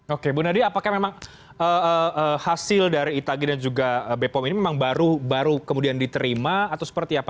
oke bu nadia apakah memang hasil dari itagi dan juga bepom ini memang baru kemudian diterima atau seperti apa